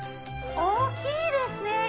大きいですね。